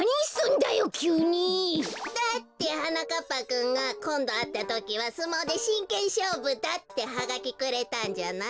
だってはなかっぱくんが「こんどあったときはすもうでしんけんしょうぶだ」ってハガキくれたんじゃない。